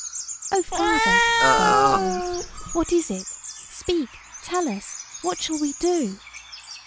"Oh, Father!" gasped Ruth. "What is it? Speak! Tell us! What shall we do?"